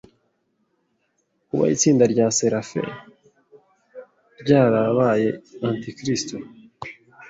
kuba itsinda rya Seraph ryarabaye Antikristo